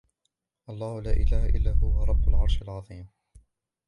اللَّهُ لَا إِلَهَ إِلَّا هُوَ رَبُّ الْعَرْشِ الْعَظِيمِ